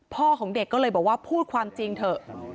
ของเด็กก็เลยบอกว่าพูดความจริงเถอะ